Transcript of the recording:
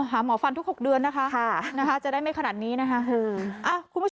หมอฟันทุก๖เดือนนะคะจะได้ไม่ขนาดนี้นะคะคุณผู้ชม